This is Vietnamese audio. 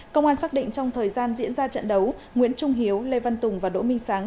công an xác định trong thời gian diễn ra trận đấu nguyễn trung hiếu lê văn tùng và đỗ minh sáng